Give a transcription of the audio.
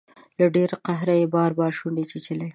له ډیر قهره دې بار بار شونډې چیچلي